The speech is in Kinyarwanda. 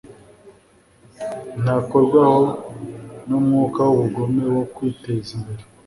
Ntakorwaho numwuka wubugome wo kwiteza imbere